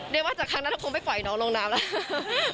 เรียกว่าจากครั้งนั้นเธอคงไม่ฝ่ายน้องลงน้ำแล้ว